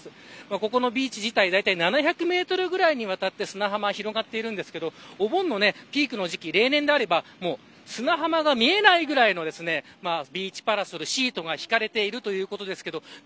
ここのビーチ自体７００メートルくらいにわたって砂浜が広がっているんですがお盆のピークの時期例年であれば砂浜が見えないぐらいのビーチパラソル、シートが敷かれているということです。